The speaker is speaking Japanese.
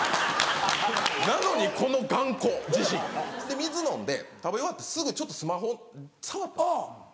なのにこの頑固自信。で水飲んで食べ終わってすぐちょっとスマホ触ったんです。